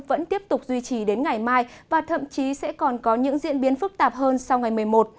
vẫn tiếp tục duy trì đến ngày mai và thậm chí sẽ còn có những diễn biến phức tạp hơn sau ngày một mươi một